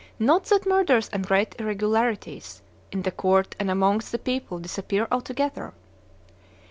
Not that murders and great irregularities, in the court and amongst the people, disappear altogether.